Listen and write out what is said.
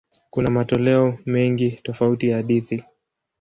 Kuna matoleo mengi tofauti ya hadithi.